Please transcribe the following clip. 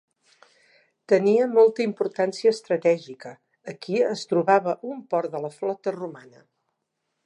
Tenia molta importància estratègica; aquí es trobava un port de la flota romana.